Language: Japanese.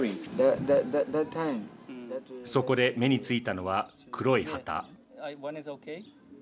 そこで目についたのは黒い旗。